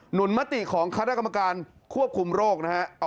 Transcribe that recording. นุนมติของคณะกรรมการควบคุมโรคนะฮะ